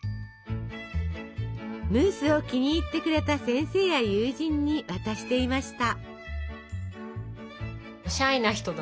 ムースを気に入ってくれた先生や友人に渡していました。